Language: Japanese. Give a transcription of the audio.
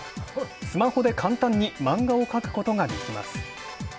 スマホで簡単にマンガを描くことができます。